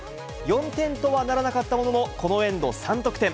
４点とはならなかったものの、このエンド、３得点。